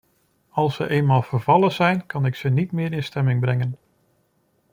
Als ze eenmaal vervallen zijn, kan ik ze niet meer in stemming brengen.